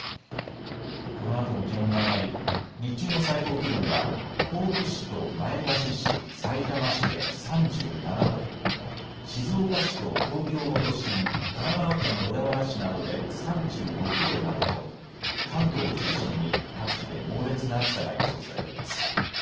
このあとも気温が上がり日中の最高気温は甲府市と前橋市、さいたま市で３７度、静岡市と東京の都心、神奈川県小田原市などで３６度などと関東を中心に各地で猛烈な暑さが予想されています。